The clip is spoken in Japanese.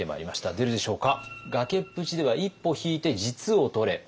出るでしょうか。